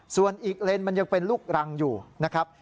ส่วนอีกเลนมันยังเป็นลูกรังอยู่นะครับ